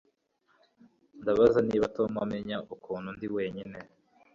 Ndabaza niba Tom amenya ukuntu ndi wenyine